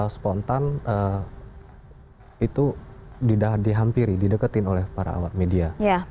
spontan itu dihampiri dideketin oleh para awak media